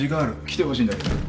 来てほしいんだけど。